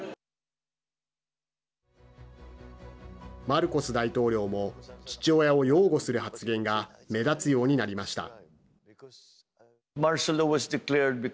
マルコス大統領も父親を擁護する発言が目立つようになりました。